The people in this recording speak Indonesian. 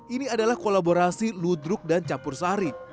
ini adalah kolaborasi ludruk dan campursari